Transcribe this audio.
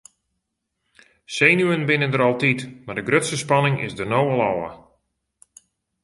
Senuwen binne der altyd mar de grutste spanning is der no wol ôf.